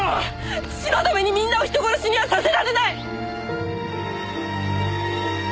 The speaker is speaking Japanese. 父のためにみんなを人殺しにはさせられない！